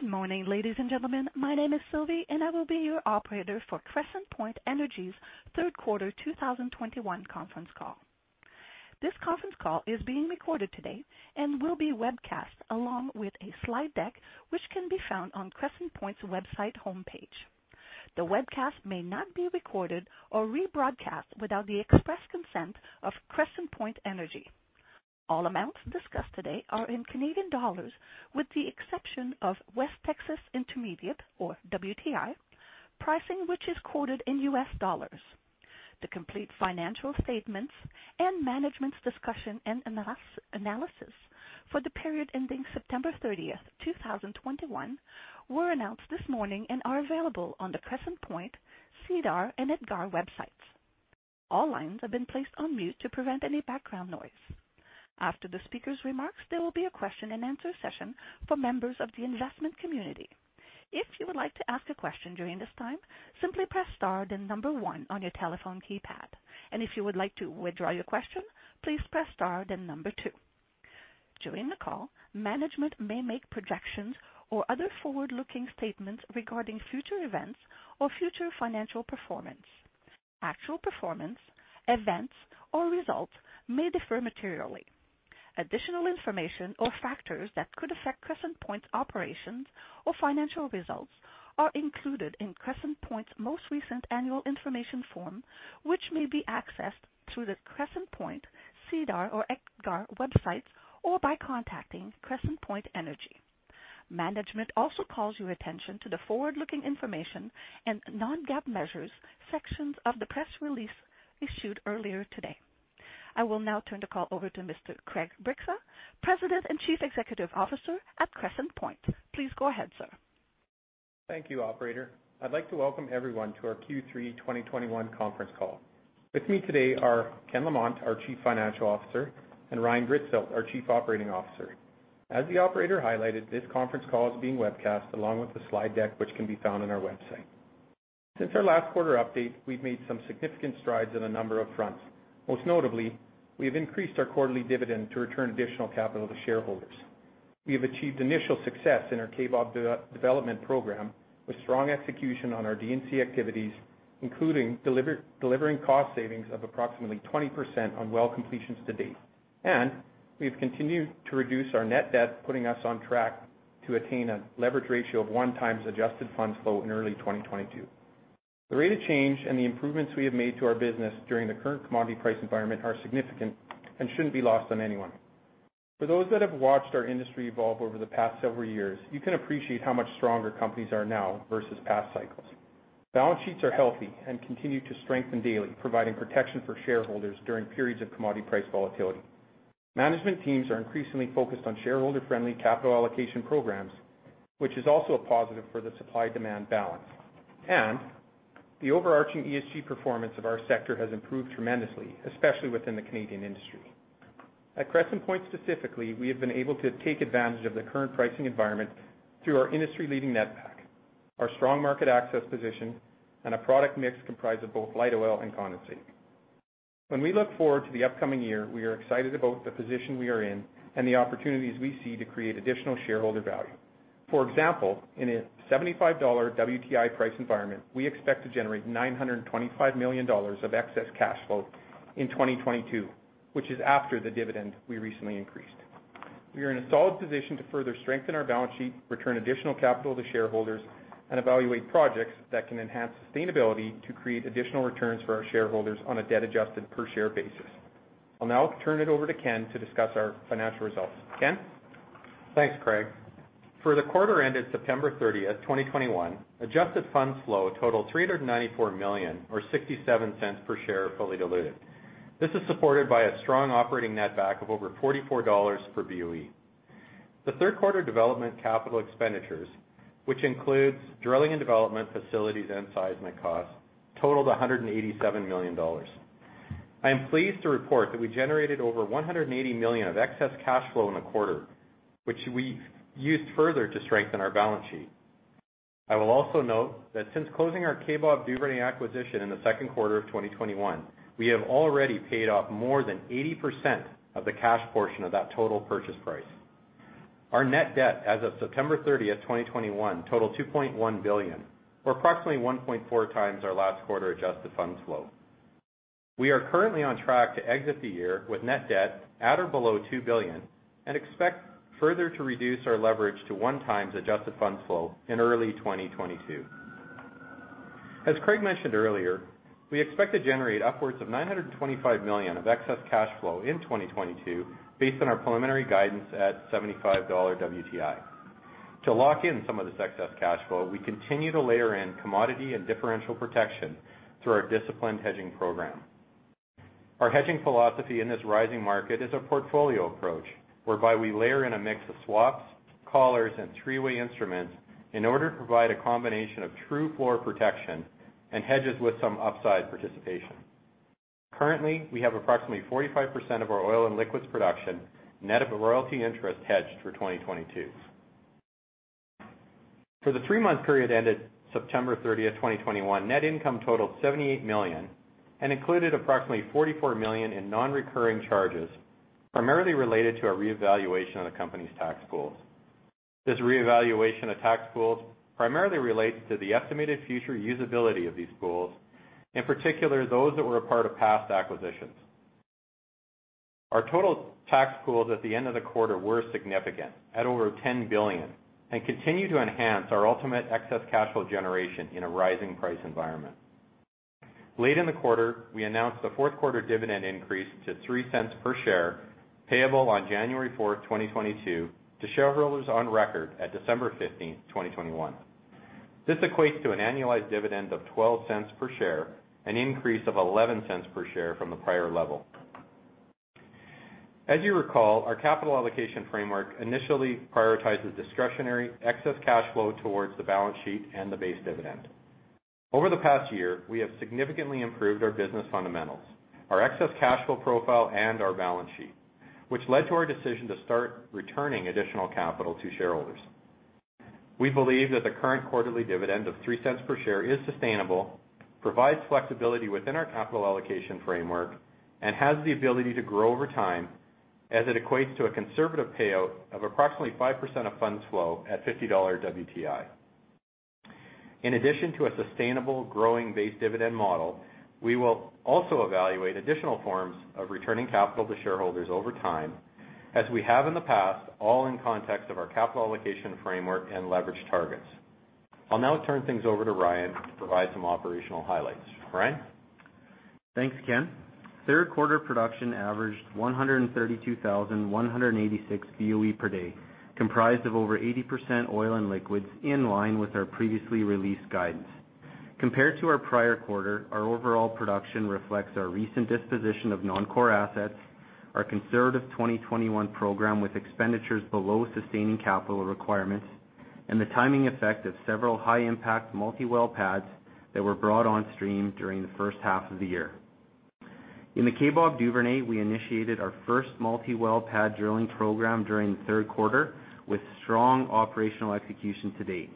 Good morning, ladies and gentlemen. My name is Sylvie, and I will be your operator for Crescent Point Energy's third quarter 2021 conference call. This conference call is being recorded today and will be webcast along with a slide deck, which can be found on Crescent Point's website homepage. The webcast may not be recorded or rebroadcast without the express consent of Crescent Point Energy. All amounts discussed today are in Canadian dollars, with the exception of West Texas Intermediate or WTI pricing, which is quoted in U.S. dollars. The complete financial statements and management's discussion and analysis for the period ending September 30, 2021 were announced this morning and are available on the Crescent Point, SEDAR, and EDGAR websites. All lines have been placed on mute to prevent any background noise. After the speaker's remarks, there will be a question-and-answer session for members of the investment community. If you would like to ask a question during this time, simply press star, then number one on your telephone keypad. If you would like to withdraw your question, please press star then number two. During the call, management may make projections or other forward-looking statements regarding future events or future financial performance. Actual performance, events, or results may differ materially. Additional information or factors that could affect Crescent Point's operations or financial results are included in Crescent Point's most recent annual information form, which may be accessed through the Crescent Point, SEDAR or EDGAR websites or by contacting Crescent Point Energy. Management also calls your attention to the forward-looking information and non-GAAP measures sections of the press release issued earlier today. I will now turn the call over to Mr. Craig Bryksa, President and Chief Executive Officer at Crescent Point. Please go ahead, sir. Thank you, operator. I'd like to welcome everyone to our Q3 2021 conference call. With me today are Ken Lamont, our Chief Financial Officer, and Ryan Gritzfeldt, our Chief Operating Officer. As the operator highlighted, this conference call is being webcast along with the slide deck, which can be found on our website. Since our last quarter update, we've made some significant strides on a number of fronts. Most notably, we have increased our quarterly dividend to return additional capital to shareholders. We have achieved initial success in our Kaybob development program with strong execution on our D&C activities, including delivering cost savings of approximately 20% on well completions to date. We've continued to reduce our net debt, putting us on track to attain a leverage ratio of 1x adjusted fund flow in early 2022. The rate of change and the improvements we have made to our business during the current commodity price environment are significant and shouldn't be lost on anyone. For those that have watched our industry evolve over the past several years, you can appreciate how much stronger companies are now versus past cycles. Balance sheets are healthy and continue to strengthen daily, providing protection for shareholders during periods of commodity price volatility. Management teams are increasingly focused on shareholder-friendly capital allocation programs, which is also a positive for the supply-demand balance. The overarching ESG performance of our sector has improved tremendously, especially within the Canadian industry. At Crescent Point, specifically, we have been able to take advantage of the current pricing environment through our industry-leading netback, our strong market access position, and a product mix comprised of both light oil and condensate. When we look forward to the upcoming year, we are excited about the position we are in and the opportunities we see to create additional shareholder value. For example, in a $75 WTI price environment, we expect to generate 925 million dollars of excess cash flow in 2022, which is after the dividend we recently increased. We are in a solid position to further strengthen our balance sheet, return additional capital to shareholders, and evaluate projects that can enhance sustainability to create additional returns for our shareholders on a debt-adjusted per share basis. I'll now turn it over to Ken to discuss our financial results. Ken? Thanks, Craig. For the quarter ended September 30, 2021, adjusted funds flow totaled 394 million or 0.67 per share fully diluted. This is supported by a strong operating netback of over 44 dollars per BOE. The third quarter development capital expenditures, which includes drilling and development facilities and seismic costs, totaled 187 million dollars. I am pleased to report that we generated over 180 million of excess cash flow in the quarter, which we used further to strengthen our balance sheet. I will also note that since closing our Kaybob Duvernay acquisition in the second quarter of 2021, we have already paid off more than 80% of the cash portion of that total purchase price. Our net debt as of September 30, 2021, totaled 2.1 billion or approximately 1.4x our last quarter adjusted funds flow. We are currently on track to exit the year with net debt at or below 2 billion and expect further to reduce our leverage to 1x adjusted funds flow in early 2022. As Craig mentioned earlier, we expect to generate upwards of 925 million of excess cash flow in 2022 based on our preliminary guidance at 75 dollar WTI. To lock in some of this excess cash flow, we continue to layer in commodity and differential protection through our disciplined hedging program. Our hedging philosophy in this rising market is a portfolio approach whereby we layer in a mix of swaps, collars, and three-way instruments in order to provide a combination of true floor protection and hedges with some upside participation. Currently, we have approximately 45% of our oil and liquids production net of a royalty interest hedged for 2022. For the three-month period ended September 30, 2021, net income totaled 78 million and included approximately 44 million in non-recurring charges, primarily related to our reevaluation of the company's tax pools. This reevaluation of tax pools primarily relates to the estimated future usability of these pools, in particular, those that were a part of past acquisitions. Our total tax pools at the end of the quarter were significant, at over 10 billion, and continue to enhance our ultimate excess cash flow generation in a rising price environment. Late in the quarter, we announced the fourth quarter dividend increase to 0.03 per share, payable on January 4, 2022 to shareholders on record at December 15, 2021. This equates to an annualized dividend of 0.12 per share, an increase of 0.11 per share from the prior level. As you recall, our capital allocation framework initially prioritizes discretionary excess cash flow towards the balance sheet and the base dividend. Over the past year, we have significantly improved our business fundamentals, our excess cash flow profile, and our balance sheet, which led to our decision to start returning additional capital to shareholders. We believe that the current quarterly dividend of 0.03 per share is sustainable, provides flexibility within our capital allocation framework, and has the ability to grow over time as it equates to a conservative payout of approximately 5% of funds flow at 50 dollar WTI. In addition to a sustainable growing base dividend model, we will also evaluate additional forms of returning capital to shareholders over time, as we have in the past, all in context of our capital allocation framework and leverage targets. I'll now turn things over to Ryan to provide some operational highlights. Ryan? Thanks, Ken. Third quarter production averaged 132,186 BOE per day, comprised of over 80% oil and liquids in line with our previously released guidance. Compared to our prior quarter, our overall production reflects our recent disposition of non-core assets, our conservative 2021 program with expenditures below sustaining capital requirements, and the timing effect of several high-impact multi-well pads that were brought on stream during the first half of the year. In the Kaybob Duvernay, we initiated our first multi-well pad drilling program during the third quarter with strong operational execution to date.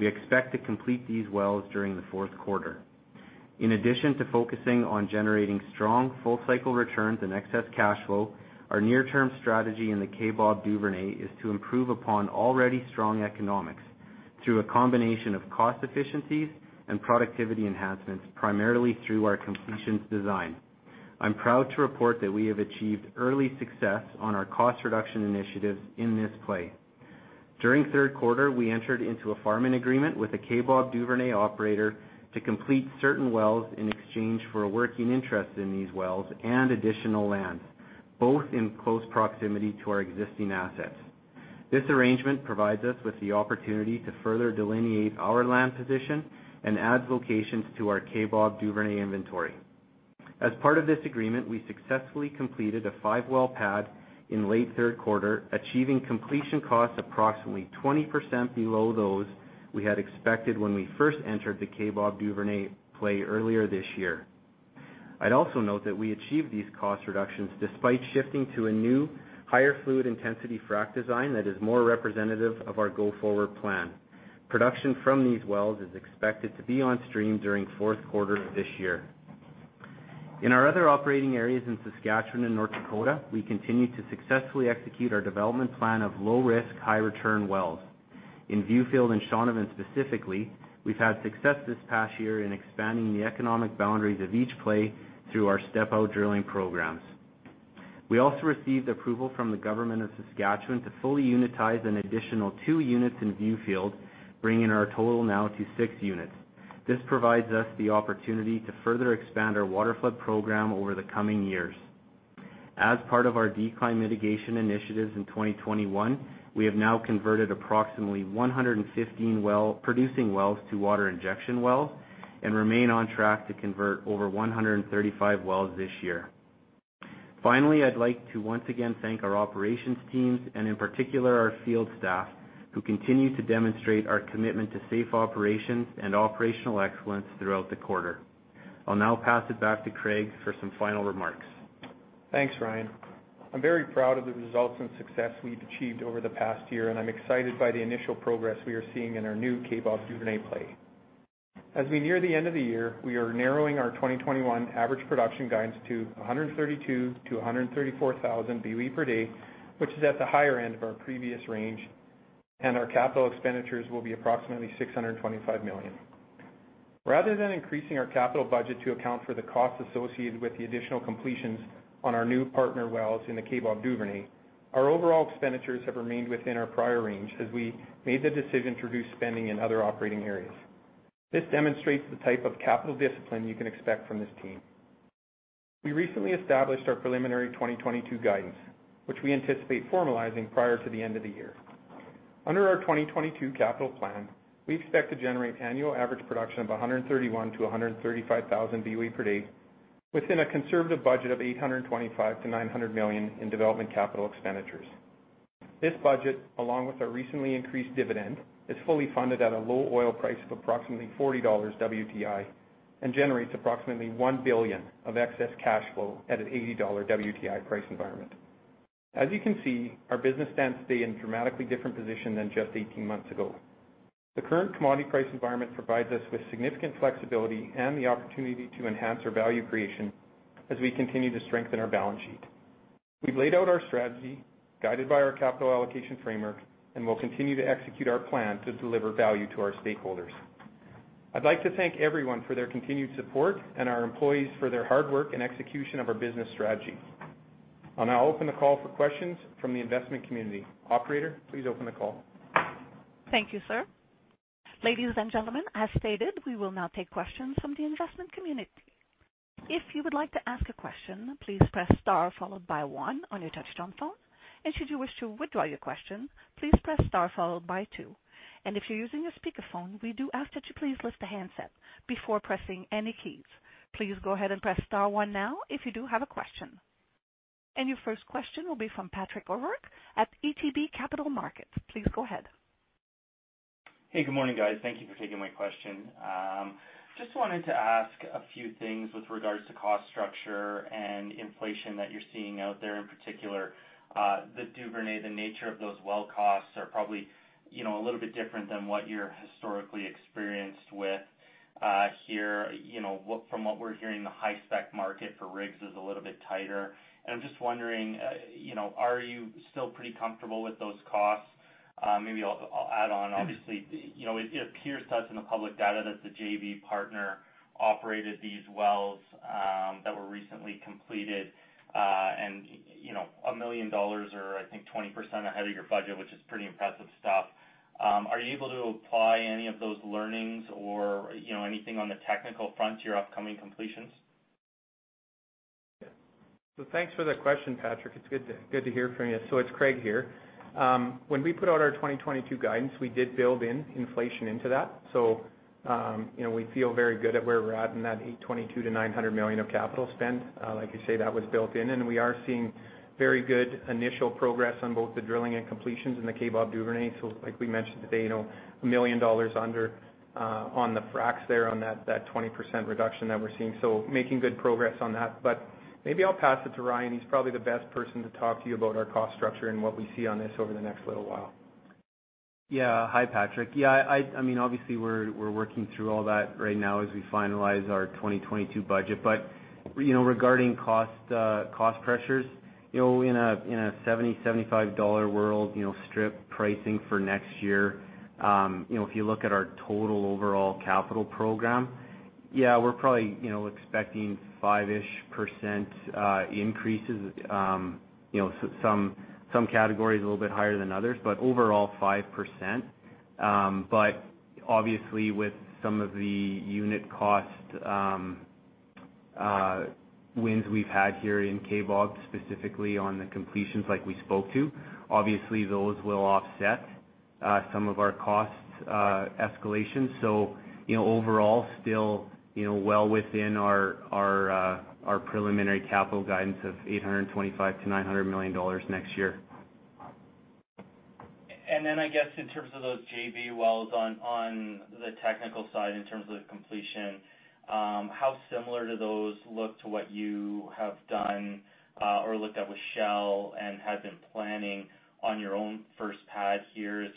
We expect to complete these wells during the fourth quarter. In addition to focusing on generating strong full-cycle returns and excess cash flow, our near-term strategy in the Kaybob Duvernay is to improve upon already strong economics through a combination of cost efficiencies and productivity enhancements, primarily through our completions design. I'm proud to report that we have achieved early success on our cost reduction initiatives in this play. During third quarter, we entered into a farm-in agreement with a Kaybob Duvernay operator to complete certain wells in exchange for a working interest in these wells and additional lands, both in close proximity to our existing assets. This arrangement provides us with the opportunity to further delineate our land position and adds locations to our Kaybob Duvernay inventory. As part of this agreement, we successfully completed a 5-well pad in late third quarter, achieving completion costs approximately 20% below those we had expected when we first entered the Kaybob Duvernay play earlier this year. I'd also note that we achieved these cost reductions despite shifting to a new higher fluid intensity frack design that is more representative of our go-forward plan. Production from these wells is expected to be on stream during fourth quarter of this year. In our other operating areas in Saskatchewan and North Dakota, we continue to successfully execute our development plan of low risk, high return wells. In Viewfield and Shaunavon specifically, we've had success this past year in expanding the economic boundaries of each play through our step-out drilling programs. We also received approval from the government of Saskatchewan to fully unitize an additional two units in Viewfield, bringing our total now to six units. This provides us the opportunity to further expand our water flood program over the coming years. As part of our decline mitigation initiatives in 2021, we have now converted approximately 115 producing wells to water injection wells and remain on track to convert over 135 wells this year. Finally, I'd like to once again thank our operations teams, and in particular, our field staff, who continue to demonstrate our commitment to safe operations and operational excellence throughout the quarter. I'll now pass it back to Craig for some final remarks. Thanks, Ryan. I'm very proud of the results and success we've achieved over the past year, and I'm excited by the initial progress we are seeing in our new Kaybob Duvernay play. As we near the end of the year, we are narrowing our 2021 average production guidance to 132,000-134,000 BOE per day, which is at the higher end of our previous range, and our capital expenditures will be approximately 625 million. Rather than increasing our capital budget to account for the costs associated with the additional completions on our new partner wells in the Kaybob Duvernay, our overall expenditures have remained within our prior range as we made the decision to reduce spending in other operating areas. This demonstrates the type of capital discipline you can expect from this team. We recently established our preliminary 2022 guidance, which we anticipate formalizing prior to the end of the year. Under our 2022 capital plan, we expect to generate annual average production of 131,000-135,000 BOE per day within a conservative budget of 825 million-900 million in development capital expenditures. This budget, along with our recently increased dividend, is fully funded at a low oil price of approximately $40 WTI and generates approximately 1 billion of excess cash flow at an $80 WTI price environment. As you can see, our business stands today in a dramatically different position than just eighteen months ago. The current commodity price environment provides us with significant flexibility and the opportunity to enhance our value creation as we continue to strengthen our balance sheet. We've laid out our strategy guided by our capital allocation framework, and we'll continue to execute our plan to deliver value to our stakeholders. I'd like to thank everyone for their continued support and our employees for their hard work and execution of our business strategy. I'll now open the call for questions from the investment community. Operator, please open the call. Thank you, sir. Ladies and gentlemen, as stated, we will now take questions from the investment community. If you would like to ask a question, please press star followed by one on your touchtone phone. Should you wish to withdraw your question, please press star followed by two. If you're using a speakerphone, we do ask that you please lift the handset before pressing any keys. Please go ahead and press star one now if you do have a question. Your first question will be from Patrick O'Rourke at ATB Capital Markets. Please go ahead. Hey, good morning, guys. Thank you for taking my question. Just wanted to ask a few things with regards to cost structure and inflation that you're seeing out there, in particular, the Duvernay, the nature of those well costs are probably, you know, a little bit different than what you're historically experienced with, here. You know, from what we're hearing, the high-spec market for rigs is a little bit tighter. I'm just wondering, you know, are you still pretty comfortable with those costs? Maybe I'll add on. Obviously, you know, it appears to us in the public data that the JV partner operated these wells, that were recently completed, and, you know, 1 million dollars or I think 20% ahead of your budget, which is pretty impressive stuff. Are you able to apply any of those learnings or, you know, anything on the technical front to your upcoming completions? Thanks for that question, Patrick. It's good to hear from you. It's Craig here. When we put out our 2022 guidance, we did build in inflation into that. You know, we feel very good at where we're at in that 822 million-900 million of capital spend. Like you say, that was built in, and we are seeing very good initial progress on both the drilling and completions in the Kaybob Duvernay. Like we mentioned today, you know, 1 million dollars under on the fracs there on that 20% reduction that we're seeing. Making good progress on that. Maybe I'll pass it to Ryan. He's probably the best person to talk to you about our cost structure and what we see on this over the next little while. Yeah. Hi, Patrick. I mean, obviously, we're working through all that right now as we finalize our 2022 budget. You know, regarding cost pressures, you know, in a 70-75 dollar world, you know, strip pricing for next year, if you look at our total overall capital program, we're probably expecting 5-ish% increases. Some categories a little bit higher than others, but overall 5%. Obviously, with some of the unit cost wins we've had here in Kaybob, specifically on the completions like we spoke to, those will offset some of our cost escalation. You know, overall still, you know, well within our preliminary capital guidance of 825 million-900 million dollars next year. I guess in terms of those JV wells on the technical side, in terms of the completion, how similar do those look to what you have done, or looked at with Shell and had been planning on your own first pad here?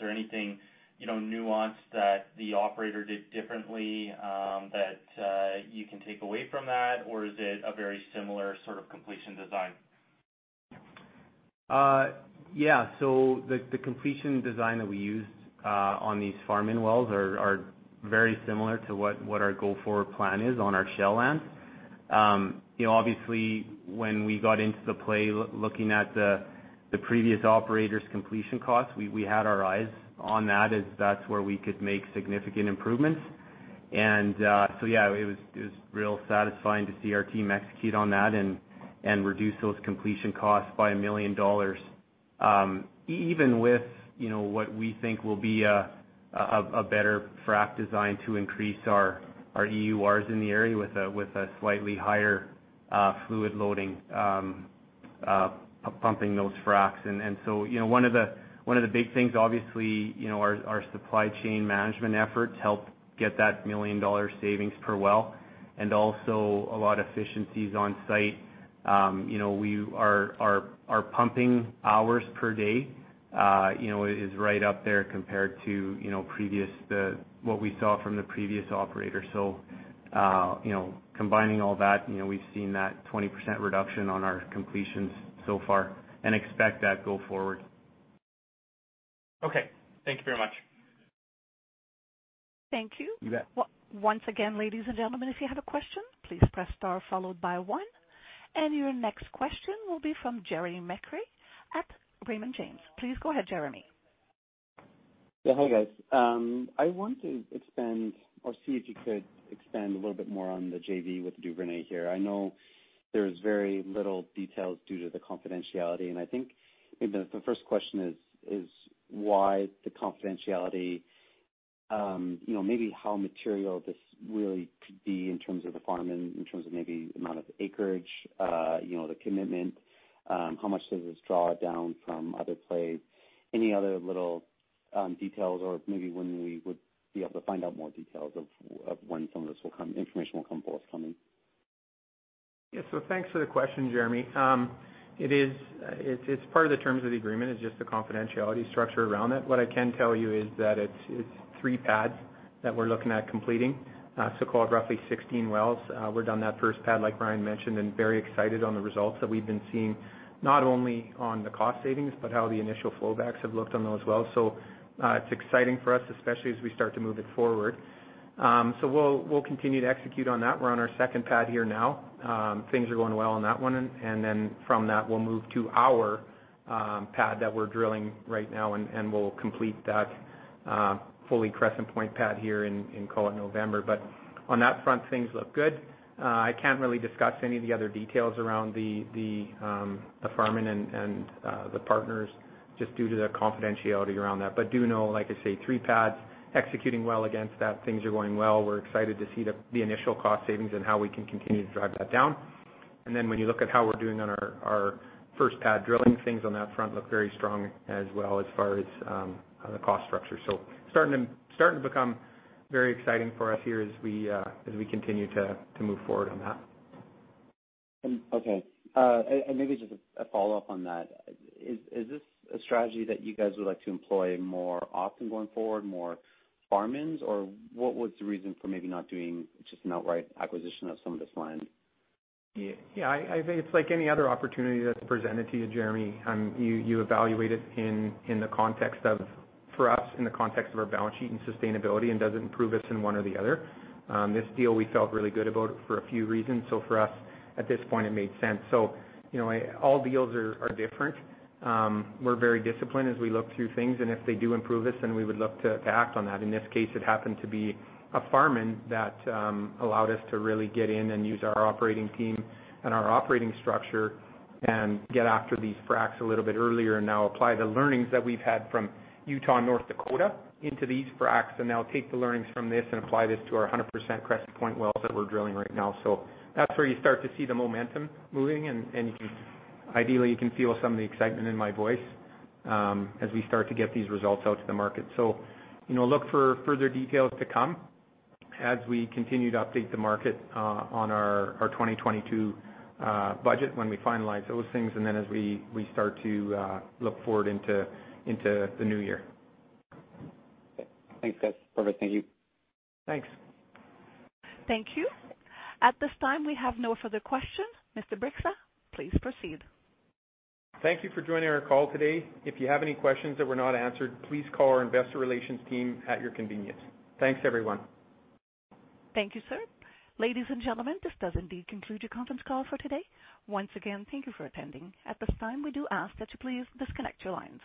Is there anything, you know, nuanced that the operator did differently, that you can take away from that, or is it a very similar sort of completion design? Yeah. The completion design that we used on these farm-in wells are very similar to what our go forward plan is on our Shell lands. You know, obviously, when we got into the play, looking at the previous operator's completion costs, we had our eyes on that as that's where we could make significant improvements. Yeah, it was real satisfying to see our team execute on that and reduce those completion costs by 1 million dollars. Even with what we think will be a better frac design to increase our EURs in the area with a slightly higher fluid loading, pumping those fracs. You know, one of the big things, obviously, you know, our supply chain management efforts helped get that 1 million dollar savings per well and also a lot of efficiencies on site. You know, our pumping hours per day, you know, is right up there compared to, you know, previous, what we saw from the previous operator. You know, combining all that, you know, we've seen that 20% reduction on our completions so far and expect that go forward. Okay. Thank you very much. Thank you. You bet. Once again, ladies and gentlemen, if you have a question, please press star followed by one. Your next question will be from Jeremy McCrea at Raymond James. Please go ahead, Jeremy. Yeah. Hi, guys. I want to expand or see if you could expand a little bit more on the JV with Duvernay here. I know there's very little details due to the confidentiality, and I think the first question is why the confidentiality? You know, maybe how material this really could be in terms of the farm and in terms of maybe amount of acreage, you know, the commitment. Any other little details or maybe when we would be able to find out more details of when some of this information will come forthcoming. Yeah. Thanks for the question, Jeremy. It is. It's part of the terms of the agreement. It's just the confidentiality structure around it. What I can tell you is that it's three pads that we're looking at completing, so call it roughly 16 wells. We're done that first pad, like Ryan mentioned, and very excited on the results that we've been seeing, not only on the cost savings but how the initial flowbacks have looked on those wells. It's exciting for us, especially as we start to move it forward. We'll continue to execute on that. We're on our second pad here now. Things are going well on that one and then from that we'll move to our pad that we're drilling right now and we'll complete that fully Crescent Point pad here in call it November. On that front, things look good. I can't really discuss any of the other details around the farming and the partners just due to the confidentiality around that. Do know, like I say, three pads executing well against that. Things are going well. We're excited to see the initial cost savings and how we can continue to drive that down. Then when you look at how we're doing on our first pad drilling, things on that front look very strong as well as far as the cost structure. Starting to become very exciting for us here as we continue to move forward on that. Okay. Maybe just a follow-up on that. Is this a strategy that you guys would like to employ more often going forward, more farm-ins? Or what was the reason for maybe not doing just an outright acquisition of some of this land? Yeah, I think it's like any other opportunity that's presented to you, Jeremy. You evaluate it in the context of our balance sheet and sustainability and does it improve us in one or the other. This deal we felt really good about for a few reasons. For us, at this point it made sense. You know, all deals are different. We're very disciplined as we look through things and if they do improve this then we would look to act on that. In this case, it happened to be a farm-in that allowed us to really get in and use our operating team and our operating structure and get after these fracs a little bit earlier and now apply the learnings that we've had from Utah, North Dakota into these fracs and now take the learnings from this and apply this to our 100% Crescent Point wells that we're drilling right now. That's where you start to see the momentum moving and you can ideally feel some of the excitement in my voice as we start to get these results out to the market. You know, look for further details to come as we continue to update the market on our 2022 budget when we finalize those things, and then as we start to look forward into the new year. Okay. Thanks, guys. Perfect. Thank you. Thanks. Thank you. At this time, we have no further questions. Mr. Bryksa, please proceed. Thank you for joining our call today. If you have any questions that were not answered, please call our investor relations team at your convenience. Thanks, everyone. Thank you, sir. Ladies and gentlemen, this does indeed conclude your conference call for today. Once again, thank you for attending. At this time, we do ask that you please disconnect your lines.